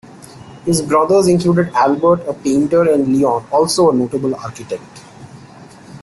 His brothers included Albert, a painter, and Leon, also a notable architect.